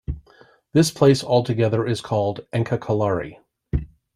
This place altogether is called AnkaKalari.